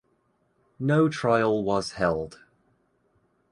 No trial was held.